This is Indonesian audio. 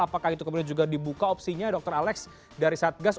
apakah itu kemudian juga dibuka opsinya dr alex dari satgas